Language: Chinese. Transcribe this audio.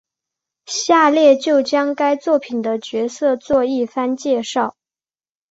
下列就将该作品的角色做一番介绍。